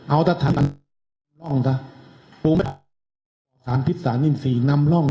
เอาตรฐานร่องสารพิษสารอินสีนำร่อง